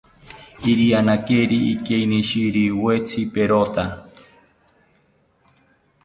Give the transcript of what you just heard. Irianeriki ikeinishiriwetzi perota